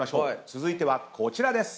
続いてはこちらです。